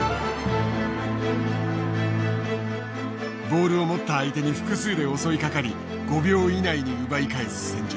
ボールを持った相手に複数で襲いかかり５秒以内に奪い返す戦術。